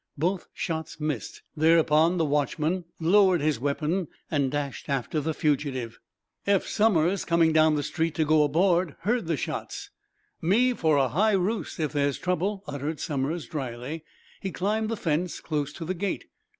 Both shots missed. Thereupon, the watchman lowered his weapon and dashed after the fugitive. Eph Somers, coming down the street to go aboard, heard, the shots. "Me for a high roost, if there's trouble," uttered Somers, dryly. He climbed the fence, close to the gate.